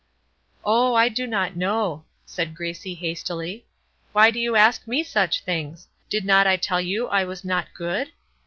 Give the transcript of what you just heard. "Oh, I do not know," said Gracie, hastily. "Why do you ask me such things? Did not I tell you I was not good?